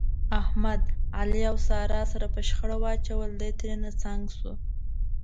احمد، علي او ساره سره په شخړه واچول، دی ترېنه په څنګ شو.